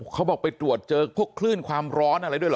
เขาบอกไปตรวจเจอพวกคลื่นความร้อนอะไรด้วยเหรอ